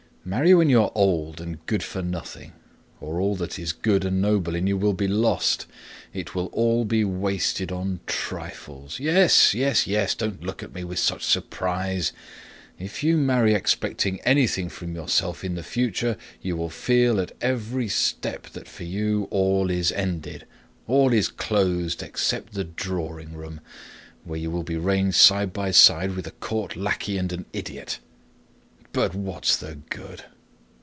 Marry when you are old and good for nothing—or all that is good and noble in you will be lost. It will all be wasted on trifles. Yes! Yes! Yes! Don't look at me with such surprise. If you marry expecting anything from yourself in the future, you will feel at every step that for you all is ended, all is closed except the drawing room, where you will be ranged side by side with a court lackey and an idiot!... But what's the good?..."